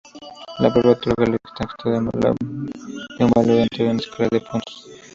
La prueba otorga al texto un valor dentro de una escala de puntos.